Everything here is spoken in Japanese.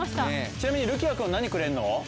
ちなみにるきあくんは何くれるの？